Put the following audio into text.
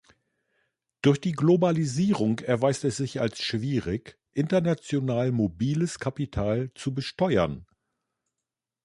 Durch die Globalisierung erweist es sich als schwierig international mobiles Kapital zu besteuern.